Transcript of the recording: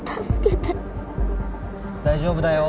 大丈夫だよ。